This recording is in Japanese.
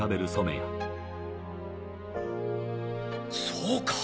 そうか！